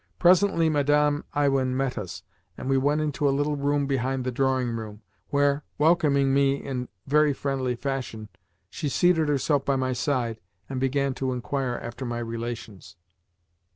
Presently Madame Iwin met us, and we went into a little room behind the drawing room, where, welcoming me in very friendly fashion, she seated herself by my side, and began to inquire after my relations.